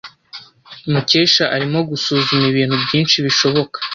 Mukesha arimo gusuzuma ibintu byinshi bishoboka.